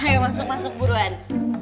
ayo masuk masuk buruan